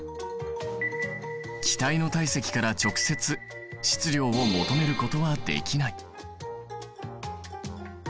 気体の体積から直接質量を求めることはできない。